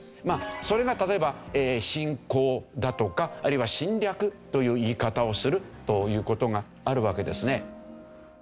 まあそれが例えば侵攻だとかあるいは侵略という言い方をするという事があるわけですね。